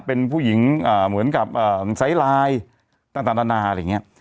เป็นผู้หญิงเอ่อเหมือนกับเอ่อใส่ลายต่างต่างอะไรอย่างเงี้ย